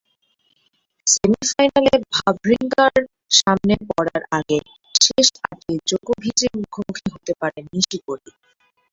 সেমিফাইনালে ভাভরিঙ্কার সামনে পড়ার আগে শেষ আটে জোকোভিচের মুখোমুখি হতে পারেন নিশিকোরি।